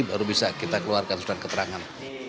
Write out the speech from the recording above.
baru bisa kita keluarkan surat keterangan